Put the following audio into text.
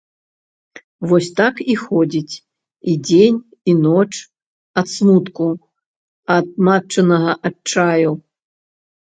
Вось так і ходзіць і дзень і ноч, ад смутку, ад матчынага адчаю.